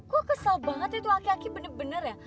gue kesel banget itu aki aki bener bener ya